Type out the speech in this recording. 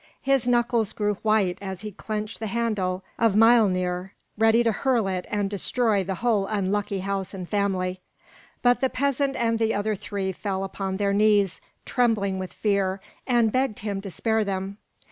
His knuckles grew white as he clenched the handle of Miölnir, ready to hurl it and destroy the whole unlucky house and family; but the peasant and the other three fell upon their knees, trembling with fear, and begged him to spare them.